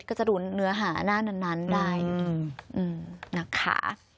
ก็จะดูเนื้อหาหน้านั้นได้นะคะ